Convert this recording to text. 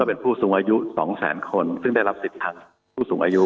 เป็นผู้สูงอายุ๒แสนคนซึ่งได้รับสิทธิ์ทางผู้สูงอายุ